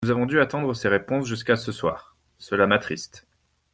Nous avons dû attendre ces réponses jusqu’à ce soir : cela m’attriste.